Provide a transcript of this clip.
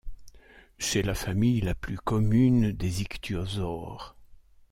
C'est la famille la plus commune des ichtyosaures.